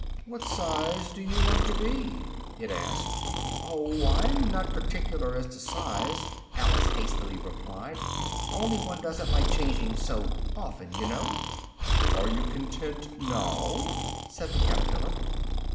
"What size do you want to be?" it asked. "Oh, I'm not particular as to size," Alice hastily replied, "only one doesn't like changing so often, you know." "Are you content now?" said the caterpillar.